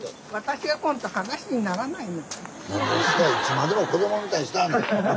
いつまでも子供みたいにしなはんな。